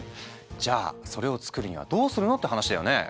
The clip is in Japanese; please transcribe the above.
じゃあそれを作るにはどうするの？って話だよね。